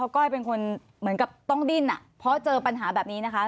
ก้อยเป็นคนต้องดื่นเพราะเจอปัญหาแบบนี้า